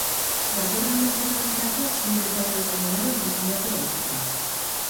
Datorren denboraldirako sei betaurreko modelo diseinatu baititu.